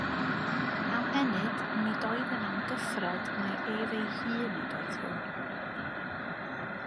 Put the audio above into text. Am ennyd nid oedd yn amgyffred mae ef ei hun ydoedd hwn.